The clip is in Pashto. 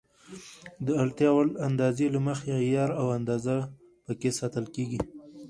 د اړتیا وړ اندازې له مخې عیار او اندازه پکې ساتل کېږي.